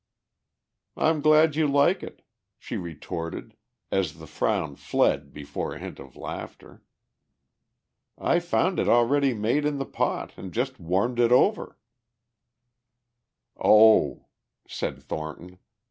"I'm glad you like it," she retorted as the frown fled before a hint of laughter. "I found it already made in the pot and just warmed it over!" "Oh," said Thornton.